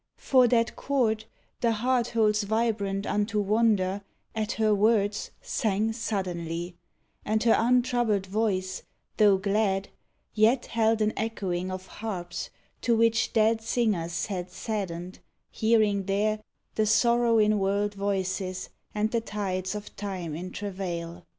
For that chord the heart Holds vibrant unto wonder, at her words, Sang suddenly; and her untroubled voice, Tho' glad, yet held an echoing of harps To which dead singers had saddened, hearing there The sorrow in world voices and the tides Of Time in travail.